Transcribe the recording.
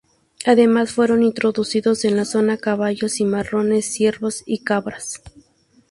Además, fueron introducidos en la zona caballos cimarrones, ciervos y cabras.